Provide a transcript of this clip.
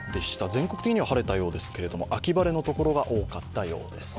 全国的に晴れたようですけれども、秋晴れの所が多かったようです。